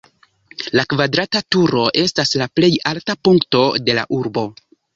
La kvadrata turo estas la plej alta punkto de la urbo.